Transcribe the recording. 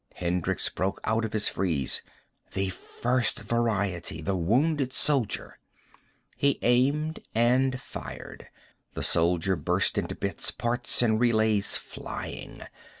Hendricks broke out of his freeze. The First Variety. The Wounded Soldier. He aimed and fired. The soldier burst into bits, parts and relays flying.